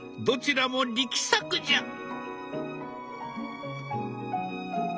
どちらも力作じゃ！